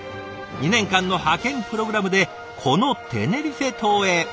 ２年間の派遣プログラムでこのテネリフェ島へ。